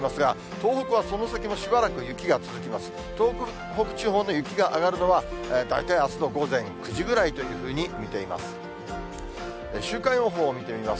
東北地方で雪が上がるのは、大体あすの午前９時ぐらいというふうに見ています。